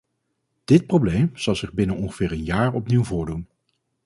Dit probleem zal zich binnen ongeveer een jaar opnieuw voordoen.